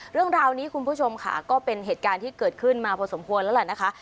เรื่องราวนี้คุณผู้ชมค่ะก็เป็นเหตุการณ์ที่เกิดขึ้นมาพอสมควรแล้วแหละนะคะ